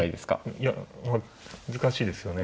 いや難しいですよね。